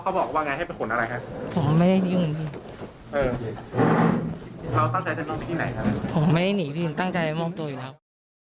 อ๋อไม่ได้หนีหรือเปลี่ยนตั้งใจจะมอบตัวอยู่แล้ว